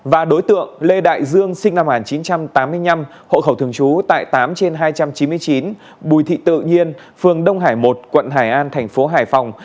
và đối tượng lê đại dương sinh năm một nghìn chín trăm tám mươi năm hộ khẩu thường trú tại tám trên hai trăm chín mươi chín bùi thị tự nhiên phường đông hải một quận hải an thành phố hải phòng